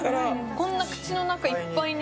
こんな口の中いっぱいに。